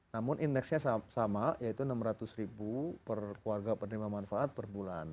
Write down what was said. namun indeksnya sama yaitu enam ratus ribu per keluarga penerima manfaat per bulan